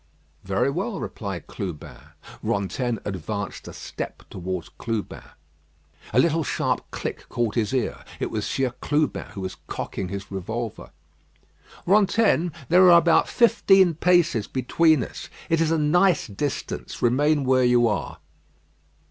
"Very well," replied Clubin. Rantaine advanced a step towards Clubin. A little sharp click caught his ear. It was Sieur Clubin who was cocking his revolver. "Rantaine, there are about fifteen paces between us. It is a nice distance. Remain where you are."